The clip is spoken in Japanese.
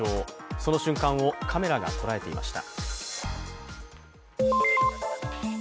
その瞬間をカメラが捉えていました。